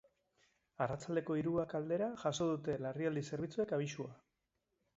Arratsaldeko hiruak aldera jaso dute larrialdi zerbitzuek abisua.